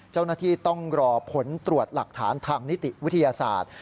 เจ้าหน้าที่ต้องรอผลตรวจหลักฐานทางนิติวิทยาศาสตร์